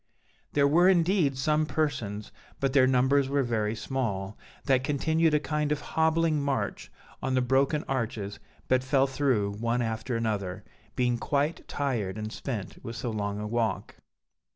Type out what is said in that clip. "There were indeed some persons, but their numbers were very small, that continued a kind of hobbling march on the broken arches, but fell through one after another, being quite tired and spent with so long a walk.